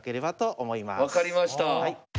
分かりました。